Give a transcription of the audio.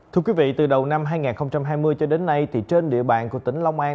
thưa quý vị từ đầu năm hai nghìn hai mươi cho đến nay thì trên địa bàn của tỉnh long an